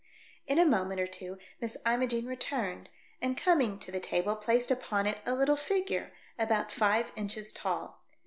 In a moment or two Miss Imogene re turned, and coming to the table placed upon it a little figure about five inches tall.